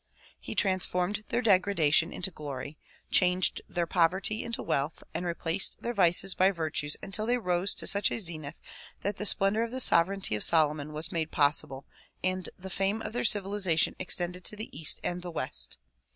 He transformed their degradation into glory, changed their poverty into wealth and replaced their vices by virtues until they rose to such a zenith that the splendor of the sovereignty of Solomon was DISCOURSES DELIVERED IN NEW YORK 113 made possible and the fame of their civilization extended to the east and the west.